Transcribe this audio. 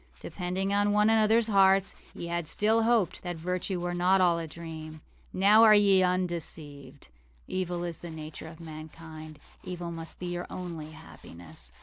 âDepending upon one anotherâs hearts, ye had still hoped that virtue were not all a dream. Now are ye undeceived. Evil is the nature of mankind. Evil must be your only happiness.